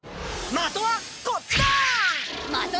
まとはこっちだ！